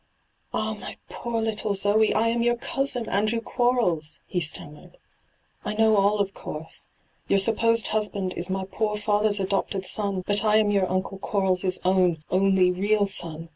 ' Oh, my poor little Zoe, I am your cousin, Andrew Quarles I' he stammered. ' I know all, of course. Your supposed husband is my poor father's adopted son ; but I am your uncle Quarles' own, only real son.